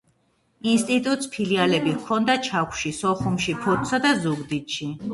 ინსტიტუტს ფილიალები ჰქონდა ჩაქვში, სოხუმში, ფოთსა და ზუგდიდში.